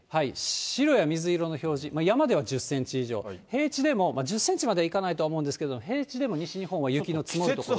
白や水色の表示、山では１０センチ以上、平地でも１０センチまではいかないと思うんですけれども、平地でも西日本は雪の積もる所があると。